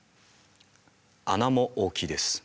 穴も大きいです。